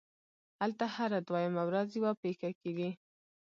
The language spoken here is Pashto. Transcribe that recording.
هلته هره دویمه ورځ یوه پېښه کېږي